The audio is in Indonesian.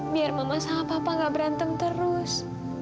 biar mama sama papa gak berantem terus